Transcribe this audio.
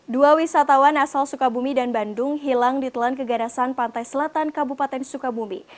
dua wisatawan asal sukabumi dan bandung hilang di telan keganasan pantai selatan kabupaten sukabumi